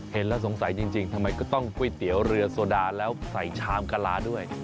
เห็นแล้วสงสัยจริงทำไมก็ต้องก๋วยเตี๋ยวเรือโซดาแล้วใส่ชามกะลาด้วย